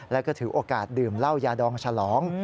แล้วก็ถือโอกาสดื่มเหล้ายาดองฉลอง